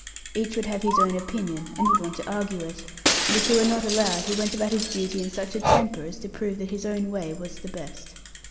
Each would have his own opinion, and would want to argue it; and if he were not allowed, he went about his duty in such a temper as to prove that his own way was the best.